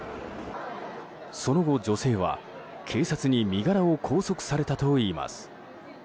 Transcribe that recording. その後、女性は警察に身柄を拘束されたといいます。